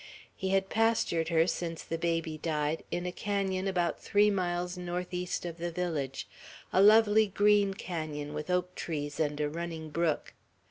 He had pastured her, since the baby died, in a canon about three miles northeast of the village, a lovely green canon with oak trees and a running brook.